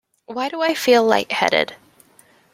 Why do I feel light-headed?